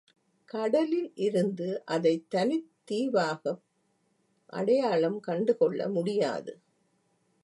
கடலில் இருந்து, அதை தனித் தீவாக அடையாளம் கண்டு கொள்ள முடியாது.